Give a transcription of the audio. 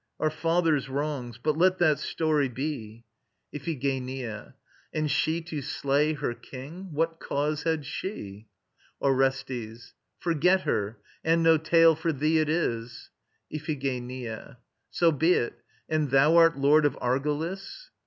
Our father's wrongs ... But let that story be. IPHIGENIA. And she to slay her king! What cause had she? ORESTES. Forget her! ... And no tale for thee it is. IPHIGENIA. So be it. And thou art Lord of Argolis?